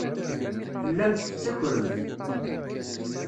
Tellamt tettakremt.